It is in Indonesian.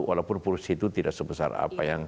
walaupun perusahaan itu tidak sebesar apa